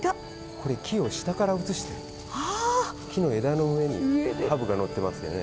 これ、木を下から映していますが木の枝の上にハブが乗っていますね。